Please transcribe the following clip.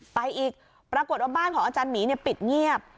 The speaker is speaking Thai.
ไปอีกปรากฏว่าบ้านของอาจารย์หมีปิดเงียบ